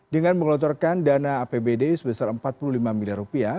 dengan mengelotorkan dana apbd sebesar rp empat puluh lima miliar rupiah